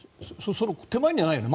手前にはないよね？